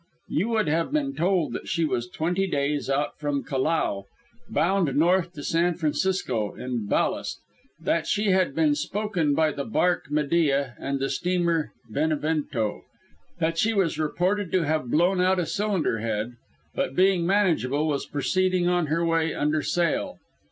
You would have been told that she was twenty days out from Callao, bound north to San Francisco in ballast; that she had been spoken by the bark Medea and the steamer Benevento; that she was reported to have blown out a cylinder head, but being manageable was proceeding on her way under sail.